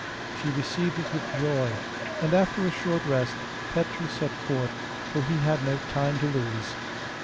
She received it with joy, and after a short rest Petru set forth, for he had no time to lose.